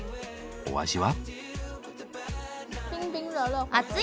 お味は？